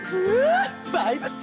バイブス！